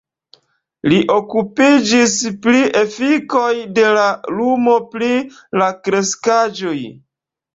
Li okupiĝis pri efikoj de la lumo pri la kreskaĵoj.